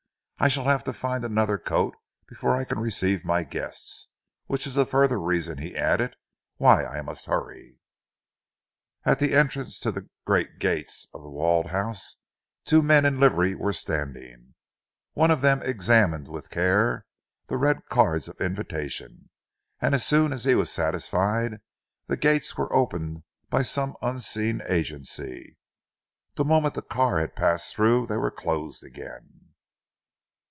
"I shall have to find another coat before I can receive my guests which is a further reason," he added, "why I must hurry." At the entrance to the great gates of The Walled House, two men in livery were standing. One of them examined with care the red cards of invitation, and as soon as he was satisfied the gates were opened by some unseen agency. The moment the car had passed through, they were closed again.